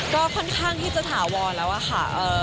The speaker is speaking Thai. ก็ค่อนข้างที่จะถาวรแล้วอะค่ะ